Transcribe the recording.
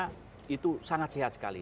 karena itu sangat sehat sekali